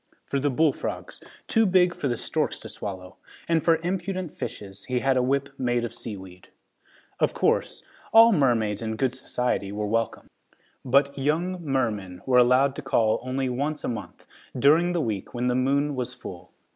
For the bullfrogs, too big for the storks to swallow, and for impudent fishes, he had a whip made of seaweed. Of course, all the mermaids in good society were welcome, but young mermen were allowed to call only once a month, during the week when the moon was full.